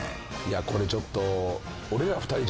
これちょっと。